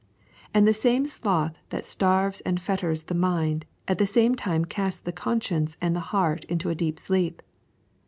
And the same sloth that starves and fetters the mind at the same time casts the conscience and the heart into a deep sleep.